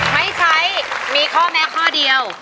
ไม่ใช้มีข้อแม้ข้อเดียว